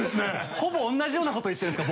ほぼ同じようなこと言ってるんですか？